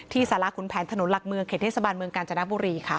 สารขุนแผนถนนหลักเมืองเขตเทศบาลเมืองกาญจนบุรีค่ะ